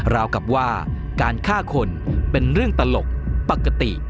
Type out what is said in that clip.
ราวกับว่าการฆ่าคนเป็นเรื่องตลกปกติ